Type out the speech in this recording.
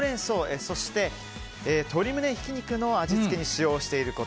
そして、鶏むねひき肉の味付けに使用していること。